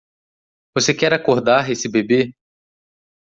Você quer acordar esse bebê!